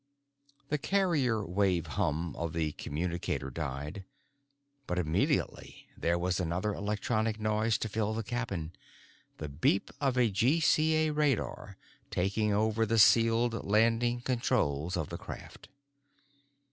The carrier wave hum of the communicator died, but immediately there was another electronic noise to fill the cabin—the beep of a GCA radar taking over the sealed landing controls of the craft.